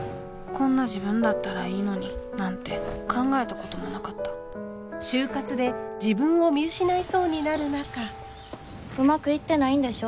「こんな自分だったらいいのに」なんて考えたこともなかったうまくいってないんでしょ？